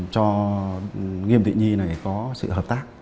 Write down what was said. cho nhiêm thị nhi này có sự hợp tác